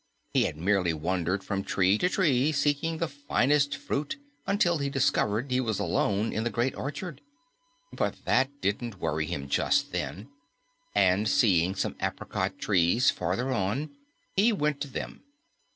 He had merely wandered from tree to tree seeking the finest fruit until he discovered he was alone in the great orchard. But that didn't worry him just then, and seeing some apricot trees farther on, he went to them.